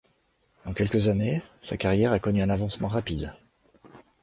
En quelques années, sa carrière a connu un avancement rapide.